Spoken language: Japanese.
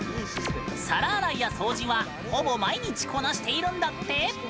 皿洗いや掃除はほぼ毎日こなしているんだって。